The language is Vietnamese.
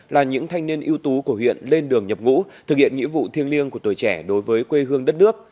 là những thanh niên ưu tú của huyện lên đường nhập ngũ thực hiện nghĩa vụ thiêng liêng của tuổi trẻ đối với quê hương đất nước